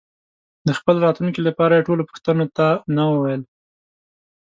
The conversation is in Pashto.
د خپل راتلونکي لپاره یې ټولو پوښتنو ته نه وویل.